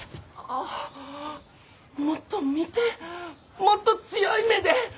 あっもっと見てもっと強い目で！